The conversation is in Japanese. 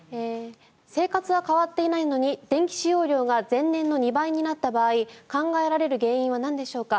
生活は変わっていないのに電気使用量が前年の２倍になった場合考えられる原因はなんでしょうか。